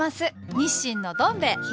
日清のどん兵衛東？